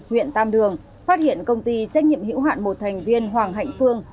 huyện tam đường phát hiện công ty trách nhiệm hữu hạn một thành viên hoàng hạnh phương